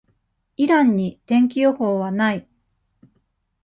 イランに、天気予報は無い。